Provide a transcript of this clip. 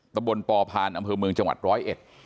ตะบนปอพานอำเภอเมืองจังหวัดร้อยเอ็ด